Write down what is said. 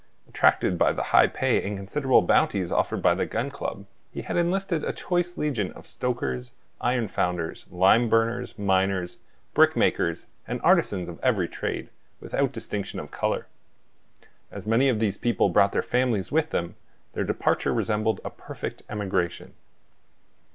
Attracted by the high pay and considerable bounties offered by the Gun Club, he had enlisted a choice legion of stokers, iron founders, lime burners, miners, brickmakers, and artisans of every trade, without distinction of color. As many of these people brought their families with them, their departure resembled a perfect emigration.